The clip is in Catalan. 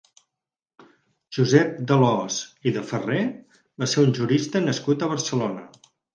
Josep d'Alòs i de Ferrer va ser un jurista nascut a Barcelona.